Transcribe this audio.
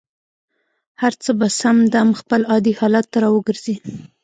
هر څه به سم دم خپل عادي حالت ته را وګرځي.